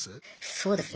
そうですね。